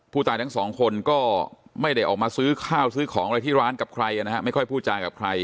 ทั้งสองคนก็ไม่ได้ออกมาซื้อข้าวซื้อของอะไรที่ร้านกับใครนะฮะไม่ค่อยพูดจากับใคร